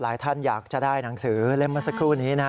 หลายท่านอยากจะได้หนังสือเล่นมาสักครู่นี้นะ